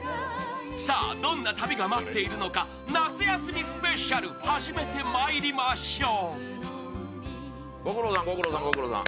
どんな旅が待っているのか夏休みスペシャルを始めてまいりましょう。